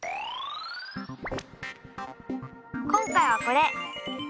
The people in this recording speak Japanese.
今回はこれ。